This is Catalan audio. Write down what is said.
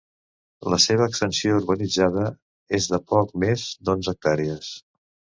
La seva extensió urbanitzada és de poc més d'onze hectàrees.